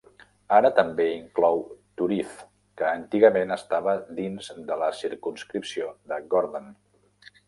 Ara també inclou Turriff, que antigament estava dins de la circumscripció de Gordon.